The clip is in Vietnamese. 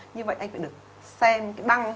như vậy anh phải được xem cái băng